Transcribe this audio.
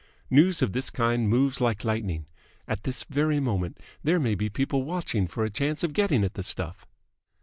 News of this kind moves like lightning. At this very moment, there may be people watching for a chance of getting at the stuff."